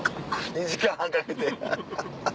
２時間半かけてハハハ。